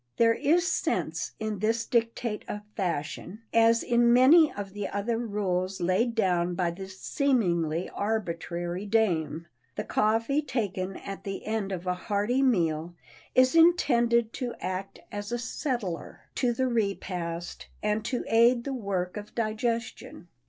There is sense in this dictate of Fashion, as in many of the other rules laid down by this seemingly arbitrary dame. The coffee taken at the end of a hearty meal is intended to act as a "settler" to the repast and to aid the work of digestion.